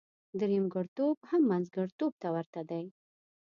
درېمګړتوب هم منځګړتوب ته ورته دی.